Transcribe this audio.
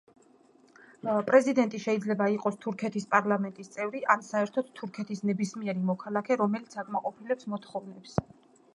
პრეზიდენტი შეიძლება იყოს თურქეთის პარლამენტის წევრი ან საერთოდ თურქეთის ნებისმიერი მოქალაქე, რომელიც აკმაყოფილებს მოთხოვნებს.